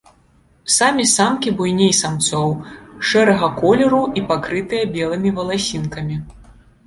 Самі самкі буйней самцоў, шэрага колеру і пакрытыя белымі валасінкамі.